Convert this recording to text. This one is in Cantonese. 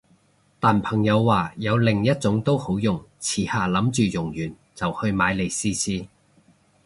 但朋友話有另一種都好用，遲下諗住用完就去買嚟試試